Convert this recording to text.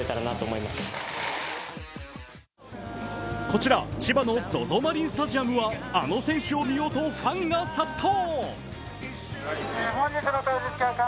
こちら、千葉のＺＯＺＯマリンスタジアムはあの選手を見ようとファンが殺到。